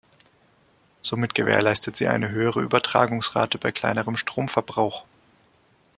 Somit gewährleistet sie eine höhere Übertragungsrate bei kleinerem Stromverbrauch.